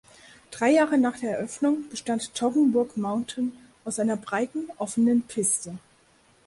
Drei Jahre nach der Eröffnung bestand Toggenburg Mountain aus einer breiten offenen Piste.